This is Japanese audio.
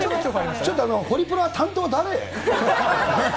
ちょっとホリプロは担当誰？